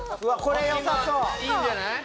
今いいんじゃない？